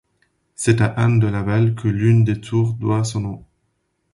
C'est à Anne de Laval que l'une des tours doit son nom.